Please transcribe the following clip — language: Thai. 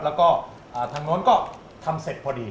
แล้วก็ทางโน้นก็ทำเสร็จพอดี